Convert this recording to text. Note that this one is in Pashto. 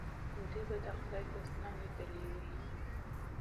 دوی به د خدای دوستان لیدلي وي.